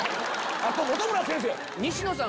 あと本村先生。